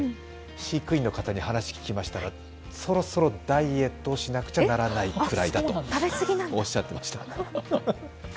飼育員の方に話を聞きましたが、そろそろダイエットをしなくちゃならないくらいだとおっしゃっていました。